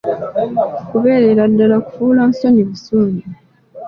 Kubeerera ddala kufuula nsonyi busungu.